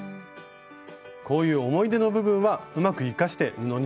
こういう思い出の部分はうまく生かして布にしたいですよね。